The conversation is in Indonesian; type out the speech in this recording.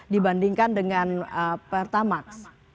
dibandingkan dengan petra max